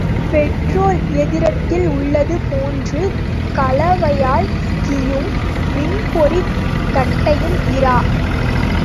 Petrol எந்திரத்தில் உள்ளது போன்று கலவையாக் கியும், மின்பொறிக் கட்டையும் இரா.